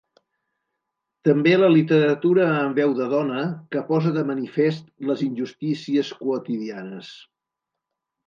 També la literatura amb veu de dona que posa de manifest les injustícies quotidianes.